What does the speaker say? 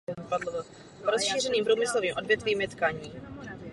Rozšířeným průmyslovým odvětvím je tkaní.